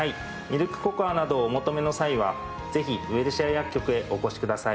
ミルクココアなどをお求めの際はぜひウエルシア薬局へお越しください。